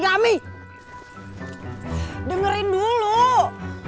karena enak banget